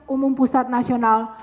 umum pusat nasional